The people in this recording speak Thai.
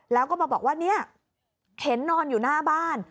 แล้วก็มาบอกว่าเนี่ยเข็นนอนอยู่หน้าบ้าน